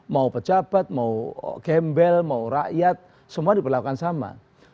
mau pejabat mau gembel mau rakyat semua diperlakukan sama